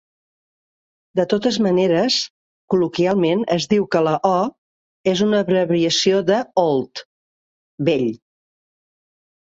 De totes maneres, col·loquialment es diu que la O és una abreviació de "old" (vell).